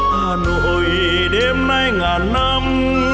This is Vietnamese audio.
hà nội đêm nay ngàn năm